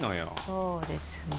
そうですね